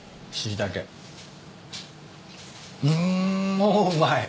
もううまい。